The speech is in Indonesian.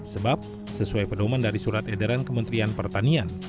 sebab sesuai pedoman dari surat edaran kementerian pertanian